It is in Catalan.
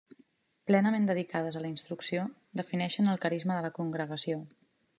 Plenament dedicades a la instrucció, defineixen el carisma de la congregació.